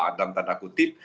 dalam tanda kutip